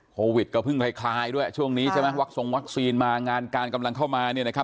โควิดก็เพิ่งคลายด้วยช่วงนี้ใช่ไหมวักทรงวัคซีนมางานการกำลังเข้ามาเนี่ยนะครับ